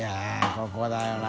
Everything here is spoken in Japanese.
ここだよな